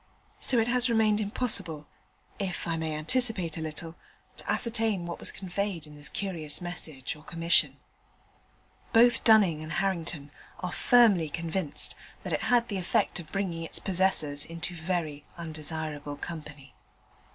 So it has remained impossible (if I may anticipate a little) to ascertain what was conveyed in this curious message or commission. Both Dunning and Harrington are firmly convinced that it had the effect of bringing its possessors into very undesirable company.